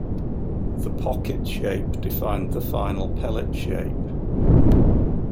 The pocket shape defined the final pellet shape.